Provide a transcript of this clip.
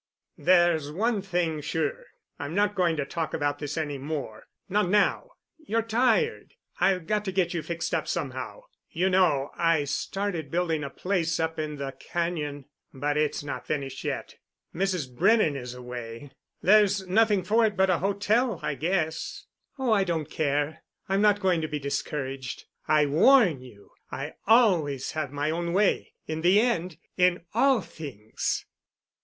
"There's one thing sure: I'm not going to talk about this any more—not now. You're tired. I've got to get you fixed up somehow. You know I started building a place up in the cañon, but it's not finished yet. Mrs. Brennan is away. There's nothing for it but a hotel, I guess." "Oh, I don't care. I'm not going to be discouraged. I warn you I always have my own way—in the end—in all things."